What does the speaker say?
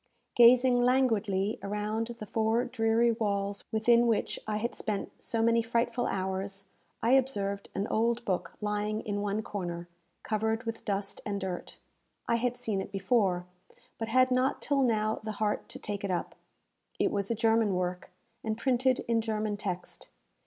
Gazing languidly around the four dreary walls within which I had spent so many frightful hours, I observed an old book lying in one corner, covered with dust and dirt. I had seen it before, but had not till now the heart to take it up. It was a German work, and printed in German text.